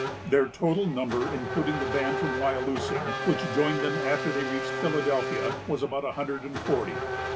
Their total number, including the band from Wyalusing, which joined them after they reached Philadelphia, was about a hundred and forty.